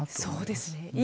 そうですね。